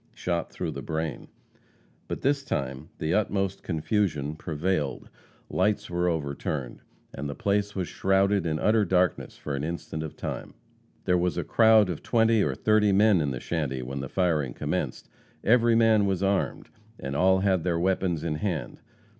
shot through the brain. By this time the utmost confusion prevailed. Lights were overturned, and the place was shrouded in utter darkness in an instant of time. There was a crowd of twenty or thirty men in the shanty when the firing commenced. Every man was armed, and all had their weapons in hand.